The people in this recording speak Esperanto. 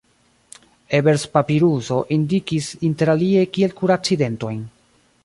Ebers-papiruso indikis interalie kiel kuraci dentojn.